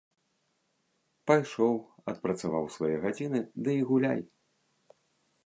Пайшоў, адпрацаваў свае гадзіны ды і гуляй.